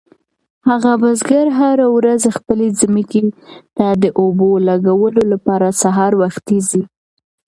هغه بزګر هره ورځ خپلې ځمکې ته د اوبو لګولو لپاره سهار وختي ځي.